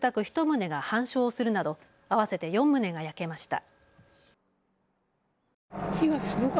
１棟が半焼するなど合わせて４棟が焼けました。